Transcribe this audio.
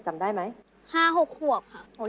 จำได้ไหมครับค่ะ๕๖ขวบ